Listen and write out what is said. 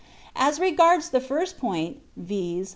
As regards the first point, viz.